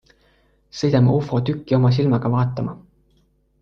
Sõidame ufo tükki oma silmaga vaatama.